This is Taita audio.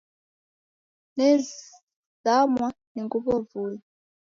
Nezamwa ni nguw'o vui.